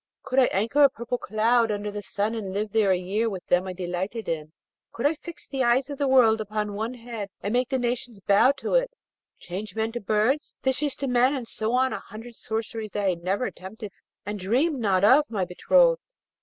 could I anchor a purple cloud under the sun and live there a year with them I delighted in? could I fix the eyes of the world upon one head and make the nations bow to it; change men to birds, fishes to men; and so on a hundred sorceries that I had never attempted and dreamed not of my betrothed!